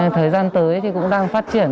thời gian tới cũng đang phát triển